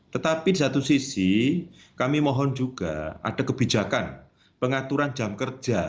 tetapi di satu sisi kami mohon juga ada kebijakan pengaturan jam kerja